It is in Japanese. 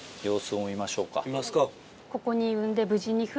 見ますか。